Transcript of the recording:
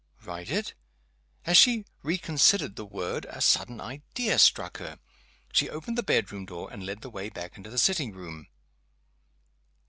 Write it? As she reconsidered the word, a sudden idea struck her. She opened the bedroom door, and led the way back into the sitting room.